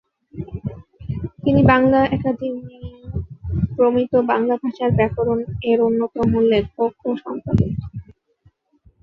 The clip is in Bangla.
তিনি বাংলা একাডেমি প্রমিত বাংলা ভাষার ব্যাকরণ এর অন্যতম লেখক ও সম্পাদক।